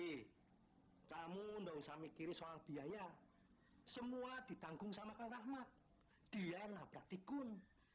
di kamu nggak usah mikir soal biaya semua ditanggung sama kerahmat dia enggak praktikun